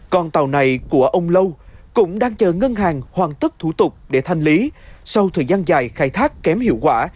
con tàu này của ông lâu cũng đang chờ ngân hàng hoàn tất thủ tục để thanh lý sau thời gian dài khai thác kém hiệu quả